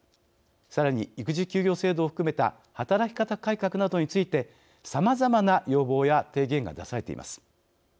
さらに、育児休業制度を含めた働き方改革などについてさまざまな要望や提言が出されています。